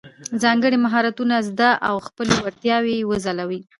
ځانګړي مهارتونه زده او خپلې وړتیاوې یې وځلولې.